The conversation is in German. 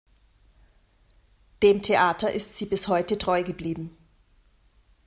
Dem Theater ist sie bis heute treu geblieben.